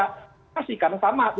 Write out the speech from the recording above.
kasasi karena sama